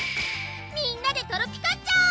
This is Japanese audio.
みんなでトロピカっちゃおう！